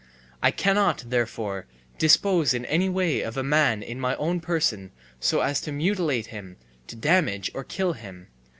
I cannot, therefore, dispose in any way of a man in my own person so as to mutilate him, to damage or kill him.